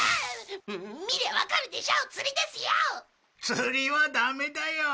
釣りはダメだよ。